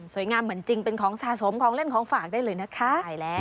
งามเหมือนจริงเป็นของสะสมของเล่นของฝากได้เลยนะคะใช่แล้ว